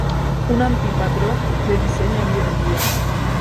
Un anti-patró de disseny avui en dia.